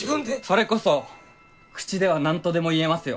それこそ口では何とでも言えますよ。